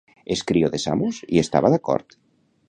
Escrió de Samos hi estava d'acord?